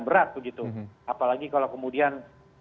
berat begitu apalagi kalau kemudian